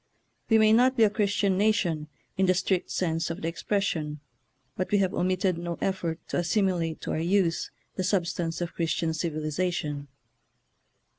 We may not be a Christian nation in the strict sense of the expres sion, but we have omitted no effort to as similate to our use the substance of Chris tian civilization.